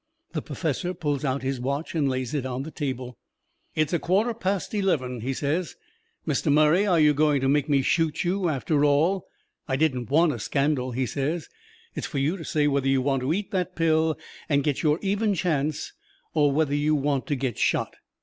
The perfessor pulls out his watch and lays it on the table. "It is a quarter past eleven," he says. "Mr. Murray, are you going to make me shoot you, after all? I didn't want a scandal," he says. "It's for you to say whether you want to eat that pill and get your even chance, or whether you want to get shot.